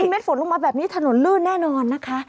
เม็ดฝนลงมาแบบนี้ถนนลื่นแน่นอนนะคะ